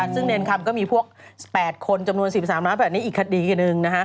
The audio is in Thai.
ซึ่งเนรคำก็มีพวก๘คนจำนวน๑๓ล้านแบบนี้อีกคดีหนึ่ง